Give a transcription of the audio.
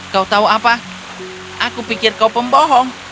kau tahu apa aku pikir kau pembohong